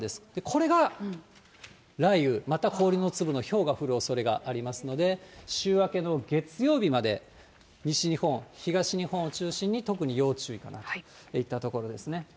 これが雷雨、また氷の粒のひょうが降るおそれがありますので、週明けの月曜日まで、西日本、東日本を中心に特に要注意かなといったところですね。